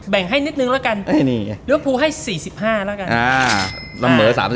ให้นิดนึงแล้วกันลิวภูให้๔๕แล้วกัน